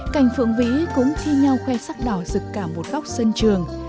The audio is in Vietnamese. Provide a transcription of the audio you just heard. cành phượng vĩ cũng thi nhau khoe sắc đỏ rực cả một góc sân trường